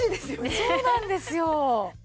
そうなんですよ。